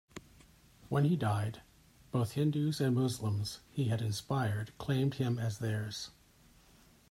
When he died, both Hindus and Muslims he had inspired claimed him as theirs.